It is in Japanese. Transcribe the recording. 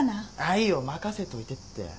いいよ任せといてって。